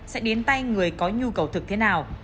sẽ đến tay người có nhu cầu thực thế nào